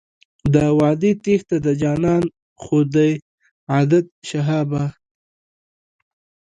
د وعدې تېښته د جانان خو دی عادت شهابه.